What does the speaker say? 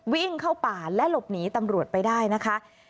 วิ่งเข้าป่าและหลบหนีตำรวจไปได้นะคะ